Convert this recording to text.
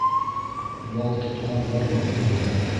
Бал тотҡан бармаҡ ялай